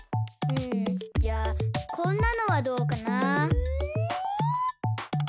んじゃあこんなのはどうかな。